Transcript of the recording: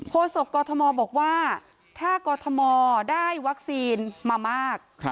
โศกกอทมบอกว่าถ้ากอทมได้วัคซีนมามาก